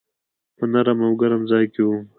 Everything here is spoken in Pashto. په نرم او ګرم ځای کي وم .